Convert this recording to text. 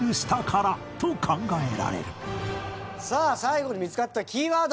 さあ最後に見つかったキーワード